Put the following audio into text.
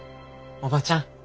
おばちゃん。